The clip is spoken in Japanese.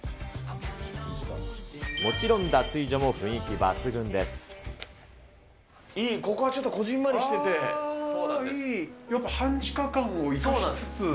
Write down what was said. もちろん、いい、ここはちょっとこじんまりしてて、やっぱ半地下感を生かしつつ。